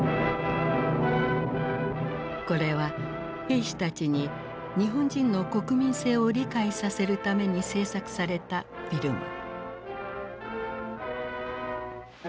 これは兵士たちに日本人の国民性を理解させるために制作されたフィルム。